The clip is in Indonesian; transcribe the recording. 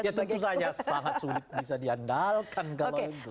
ya tentu saja sangat sulit bisa diandalkan kalau itu